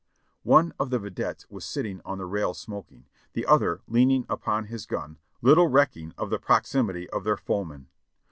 One of the videttes was sitting on the rail smoking, the other leaning upon his gun, little recking of the proximity of their foemen.